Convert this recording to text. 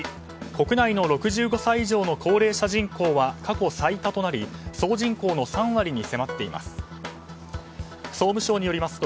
国内の６５歳以上の高齢者人口は過去最多となり総人口の３割に迫っています。